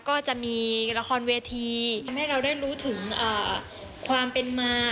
ก็จะมีละครเวทีทำให้เราได้รู้ถึงความเป็นมา